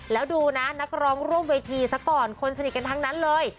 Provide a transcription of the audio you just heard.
แล้วดูนะนักร้องร่วมเวทีซะก่อนคนสนิทกันทั้งนั้นเลย